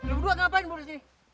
ibu dua ngapain mau di sini